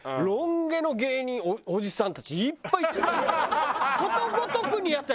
ロン毛の芸人おじさんたちいっぱいいてさ。